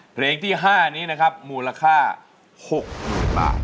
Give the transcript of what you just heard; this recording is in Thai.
เพลงที่๕นี้นะครับหมูราค่า๖บาท